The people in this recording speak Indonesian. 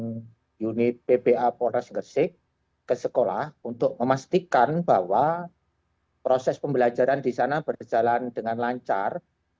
dengan unit ppa polres gresik ke sekolah untuk memastikan bahwa proses pembelajaran di sana berjalan dengan lancar